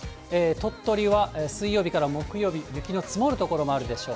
鳥取は水曜日から木曜日、雪の積もる所もあるでしょう。